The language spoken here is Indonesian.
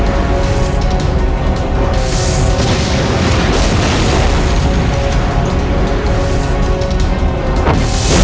aku tidak mau mati